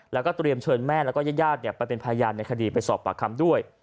แล้วก็เตรียมเชิญแม่แล้วก็ญาติไปเป็นพยานในคดีไปสอบปากคำด้วย